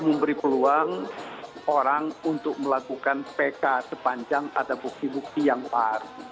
memberi peluang orang untuk melakukan pk sepanjang ada bukti bukti yang baru